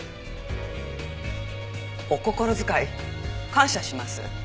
お心遣い感謝します。